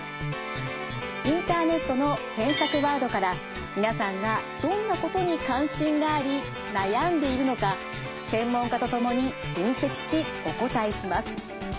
インターネットの検索ワードから皆さんがどんなことに関心があり悩んでいるのか専門家と共に分析しお答えします。